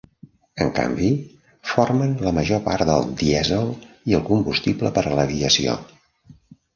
En canvi, formen la major part del dièsel i el combustible per a l'aviació.